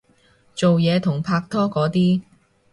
做嘢同拍拖嗰啲